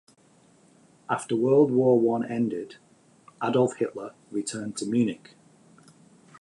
After World War One ended, Adolf Hitler returned to Munich.